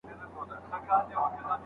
دقیق لیکل د مسلکي کسانو نښه ده.